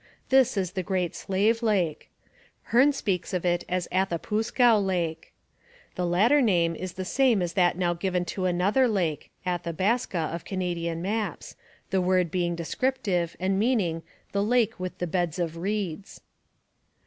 This is the Great Slave Lake; Hearne speaks of it as Athaspuscow Lake. The latter name is the same as that now given to another lake (Athabaska of Canadian maps) the word being descriptive and meaning the lake with the beds of reeds.